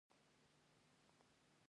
آیا دا د کاناډا د سیستم نښه نه ده؟